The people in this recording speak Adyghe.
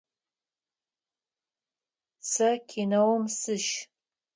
Сэ кинэум сыщ.